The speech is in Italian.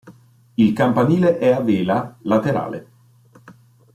Il campanile è a vela, laterale.